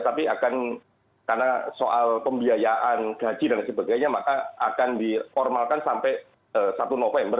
tapi akan karena soal pembiayaan gaji dan sebagainya maka akan diformalkan sampai satu november